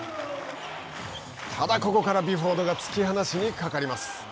ただ、ここからビュフォードが突き放しにかかります。